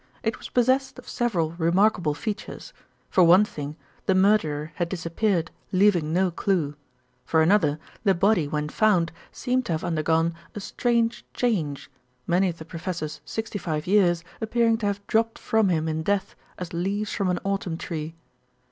It was possessed of several remarkable features; for one thing the murderer had disappeared, leaving no clue; for another the body when found seemed to have undergone a strange change, many of the professor's sixty five years appearing to have dropped from him in death as leaves from an autumn tree.